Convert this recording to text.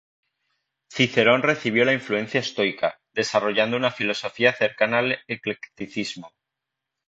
Cicerón recibió la influencia estoica, desarrollando una filosofía cercana al eclecticismo.